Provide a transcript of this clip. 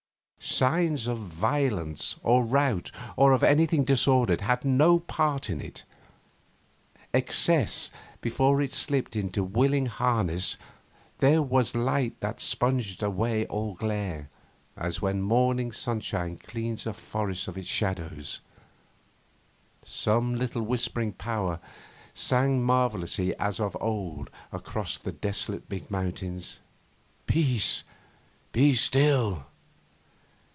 Signs of violence or rout, or of anything disordered, had no part in it; excess before it slipped into willing harness; there was light that sponged away all glare, as when morning sunshine cleans a forest of its shadows. Some little whispering power sang marvellously as of old across the desolate big mountains, 'Peace! Be still!